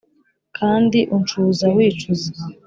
kandi uncuza wicuza